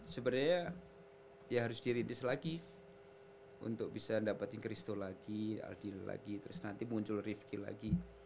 sebenarnya ya harus diridis lagi untuk bisa dapetin kristo lagi aldila lagi terus nanti muncul rifqi lagi